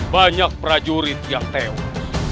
banyak prajurit yang tewas